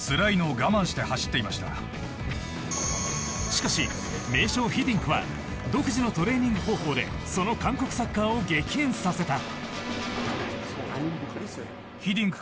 しかし名将・ヒディンクは独自のトレーニング方法でその韓国サッカーを激変させた。